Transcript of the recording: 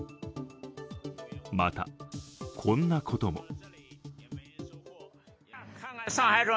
また、こんなことも。